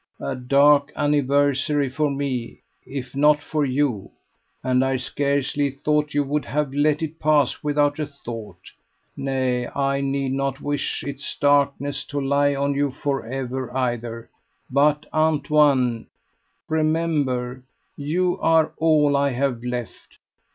A dark anniversary for me, if not for you; and I scarcely thought you would have let it pass without a thought. Nay, I need not wish its darkness to lie on you for ever either; but, Antoine, remember you are all I have left.